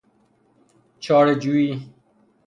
چاره جوئی